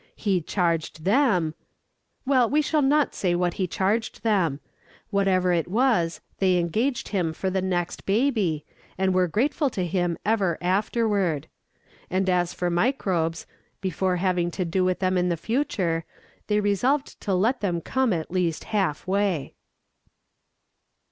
He charged them Well, we shall not say what he charged them. Whatever it was, they engaged him for the next baby, and were grateful to him ever afterward. And as for microbes, before having to do with them in the future, they resolved to let them come at least half way.